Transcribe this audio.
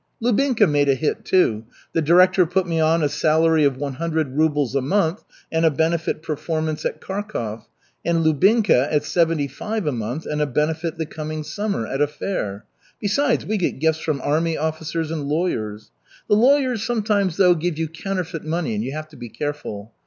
Lubinka made a hit, too. The director put me on a salary of one hundred rubles a month and a benefit performance at Kharkov; and Lubinka, at seventy five a month and a benefit the coming summer, at a fair. Besides, we get gifts from army officers and lawyers. The lawyers sometimes, though, give you counterfeit money, and you have to be careful.